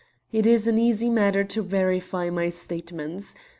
It is an easy matter to verify my statements.